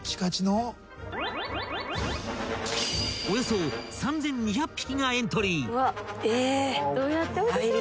［およそ３，２００匹がエントリー］